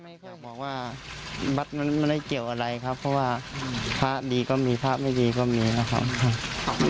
ก็บอกว่าวัดมันไม่ได้เกี่ยวอะไรครับเพราะว่าพระดีก็มีพระไม่ดีก็มีนะครับ